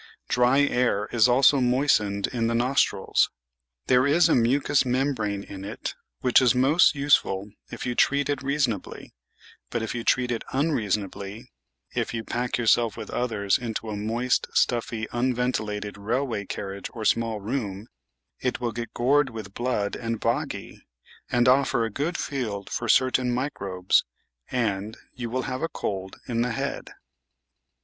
Dry air is also moistened in the nostrils. There is a mucous membrane in it which is most useful if you treat it reasonably; but if you treat it unreasonably — if you pack yourself with others into a moist, stuffy, unventilated railway carriage or small room — it will get gored with blood and "boggy," and offer a good field for certain microbes, and — you will have a "cold in the head."